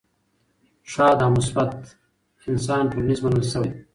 ښاد او مثبت انسان ټولنیز منل شوی دی.